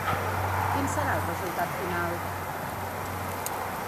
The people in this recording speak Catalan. Quin serà el resultat final?